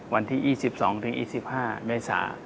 วันที่๒๒๒๕เมษา